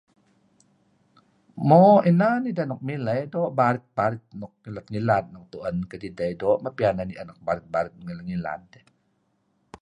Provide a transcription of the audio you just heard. Mo inan ideh nuk milah doo' barit-barit nuk lat ngilad dih tuen kedideh. Doo' piyan narih nier nuk barit-barit lat ngilad .